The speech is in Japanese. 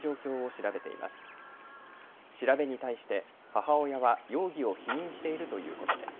調べに対して母親は容疑を否認しているということです。